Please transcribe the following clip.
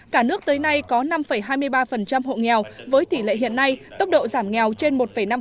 cả nước tới nay có năm hai mươi ba hộ nghèo với tỷ lệ hiện nay tốc độ giảm nghèo trên một năm